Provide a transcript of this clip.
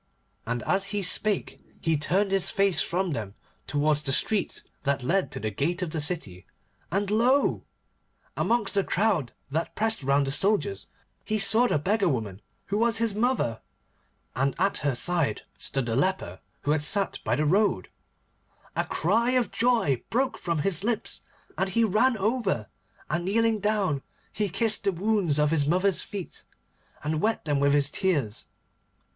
And as he spake he turned his face from them towards the street that led to the gate of the city, and lo! amongst the crowd that pressed round the soldiers, he saw the beggar woman who was his mother, and at her side stood the leper, who had sat by the road. And a cry of joy broke from his lips, and he ran over, and kneeling down he kissed the wounds on his mother's feet, and wet them with his tears.